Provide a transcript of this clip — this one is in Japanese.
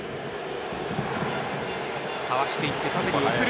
かわしていって縦に送る。